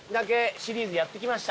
シリーズやってきました。